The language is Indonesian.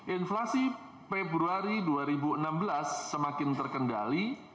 inflasi februari dua ribu enam belas semakin terkendali